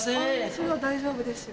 それは大丈夫ですよ。